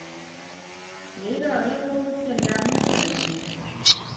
Yeirori kou tyendap muguleldanyu